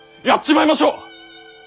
やっちまいましょう！